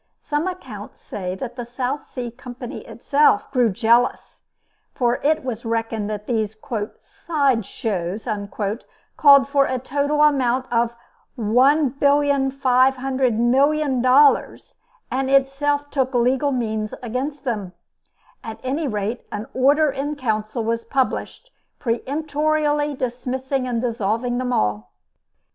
Some accounts say that the South Sea Company itself grew jealous, for it was reckoned that these "side shows" called for a total amount of $1,500,000,000, and itself took legal means against them. At any rate, an "order in council" was published, peremptorily dismissing and dissolving them all.